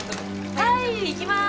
はいいきます